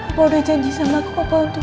papa udah janji sama aku papa harus kuat